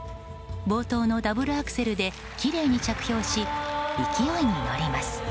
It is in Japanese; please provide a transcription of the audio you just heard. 冒頭のダブルアクセルできれいに着氷し勢いに乗ります。